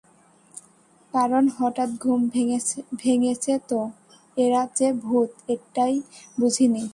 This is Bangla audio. কারণ হঠাৎ ঘুম ভেঙেছে তো, এরা যে ভূত এইটাই বুঝি নি।